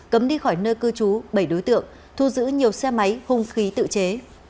cấm đi khỏi nơi cư trú bảy đối tượng thu giữ nhiều xe máy hung khí tự chế